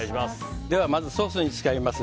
ではまずソースに使います